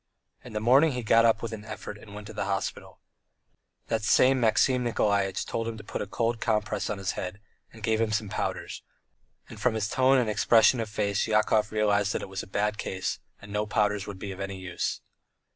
In the morning he got up with an effort and went to the hospital. The same Maxim Nikolaitch told him to put a cold compress on his head, and gave him some powders, and from his tone and expression of face Yakov realized that it was a bad case and that no powders would be any use.